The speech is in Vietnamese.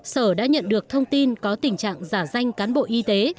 sở đã nhận được thông tin có tình trạng giả danh cán bộ y tế